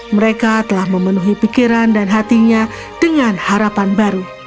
mereka telah memenuhi pikiran dan hatinya dengan harapan baru